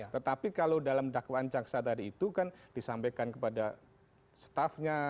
tetapi kalau dalam dakwaan jaksa tadi itu kan disampaikan kepada staffnya